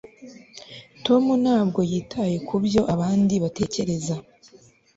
tom ntabwo yitaye kubyo abandi batekereza